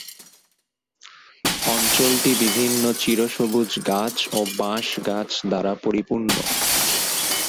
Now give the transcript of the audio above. অঞ্চলটি বিভিন্ন চিরসবুজ গাছ ও বাঁশ গাছ দ্বারা পরিপূর্ণ।